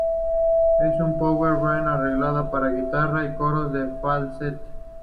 Es una power ballad arreglada para guitarra y coros en falsete.